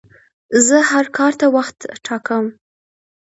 زه هر کار ته وخت ټاکم.